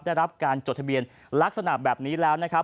ได้รับการจดทะเบียนลักษณะแบบนี้แล้วนะครับ